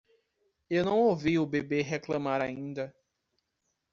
Eu não ouvi o bebê reclamar ainda.